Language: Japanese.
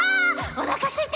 おなかすいた！